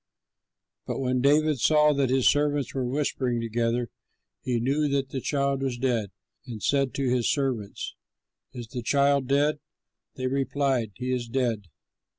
But when David saw that his servants were whispering together, he knew that the child was dead, and said to his servants, "Is the child dead?" They replied, "He is dead."